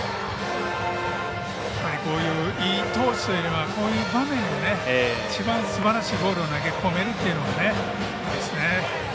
こういういい投手はこういう場面でいちばんすばらしいボールを投げ込めるというのがいいですね。